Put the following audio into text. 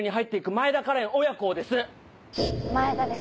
前田です